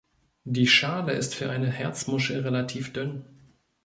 Die Schale ist für eine Herzmuschel relativ dünn.